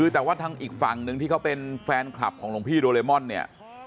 แต่ว่าทางอีกฝั่งหนึ่งที่เขาเป็นแฟนคลับของหลวงพี่โดเรมอนเนี่ย